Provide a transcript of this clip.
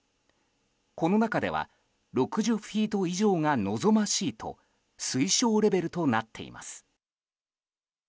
この中では６０フィート以上が望ましいと推奨レベルとなっています。